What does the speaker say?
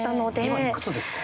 今いくつですか？